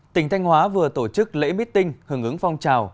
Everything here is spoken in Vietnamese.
tỉnh thanh hóa vừa tổ chức lễ meeting hưởng ứng phong trào